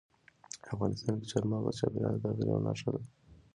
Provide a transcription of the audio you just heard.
افغانستان کې چار مغز د چاپېریال د تغیر یوه نښه ده.